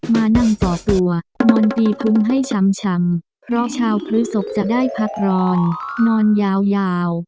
มานั่งก่อตัวนอนตีพุงให้ช้ำเพราะชาวพฤศพจะได้พักร้อนนอนยาว